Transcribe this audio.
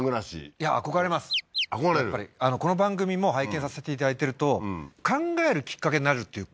やっぱりこの番組も拝見させていただいてると考えるきっかけになるっていうか